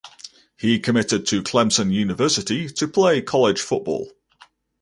He committed to Clemson University to play college football.